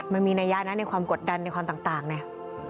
มันมีนัยยะนะในความกดดันในความต่างเนี่ย